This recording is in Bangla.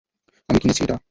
আমি কিনেছি এটা।